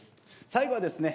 最後はですね